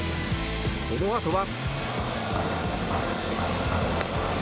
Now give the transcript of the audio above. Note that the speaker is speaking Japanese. そのあとは。